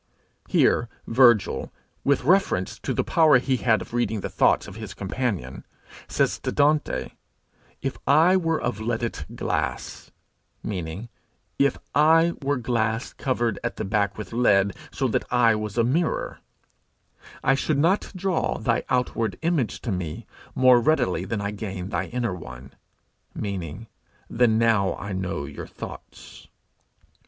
Here Virgil, with reference to the power he had of reading the thoughts of his companion, says to Dante: 'If I were of leaded glass,' meaning, 'If I were glass covered at the back with lead, so that I was a mirror,' 'I should not draw thy outward image to me more readily than I gain thy inner one;' meaning, 'than now I know your thoughts.'